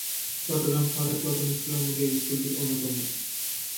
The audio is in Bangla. চট্টগ্রাম শহরের পুরাতন স্কুলের মধ্যে এই স্কুলটি অন্যতম।